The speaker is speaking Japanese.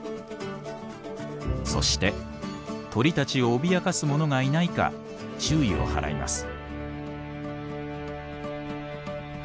そして鳥たちを脅かすものがいないか注意を払います。